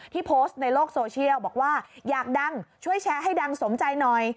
โพสต์ในโลกโซเชียลบอกว่าอยากดังช่วยแชร์ให้ดังสมใจหน่อย